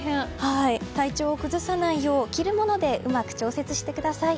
体調を崩さないよう着るものでうまく調節してください。